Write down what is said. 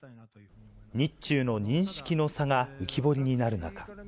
日中の認識の差が浮き彫りになる中。